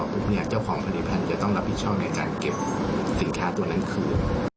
ปุ๊บเนี่ยเจ้าของผลิตภัณฑ์จะต้องรับพิชาวในการเก็บสินค้าตัวนั้นคือ